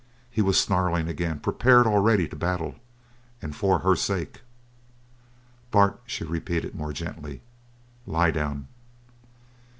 He was snarling again, prepared already to battle, and for her sake. "Bart!" she repeated, more gently. "Lie down!"